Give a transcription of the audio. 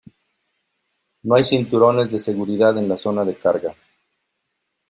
No hay cinturones de seguridad en la zona de carga.